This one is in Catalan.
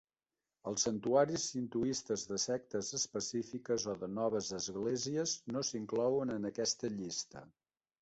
Els santuaris sintoistes de sectes específiques o de noves esglésies no s'inclouen en aquesta llista.